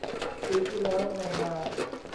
ปีที่แล้วในงาน